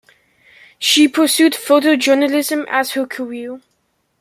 She pursued photojournalism as her career.